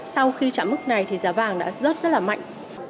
sau khi chạm mức này thì giá vàng đã rớt rất là mạnh